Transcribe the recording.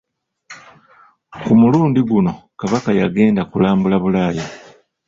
Ku mulundi guno Kabaka yagenda kulambula Bulaaya.